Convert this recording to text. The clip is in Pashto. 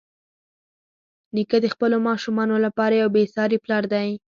نیکه د خپلو ماشومانو لپاره یو بېساري پلار دی.